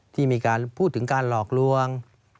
ที่พูดถึงการหลอกรวง